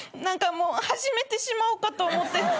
何かもう始めてしまおうかと思って。